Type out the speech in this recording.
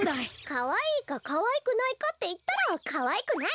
かわいいかかわいくないかっていったらかわいくない！